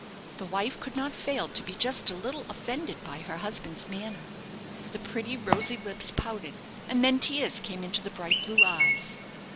The wife could not fail to be just a little offended by her husband's manner. The pretty rosy lips pouted, and then tears came into the bright blue eyes.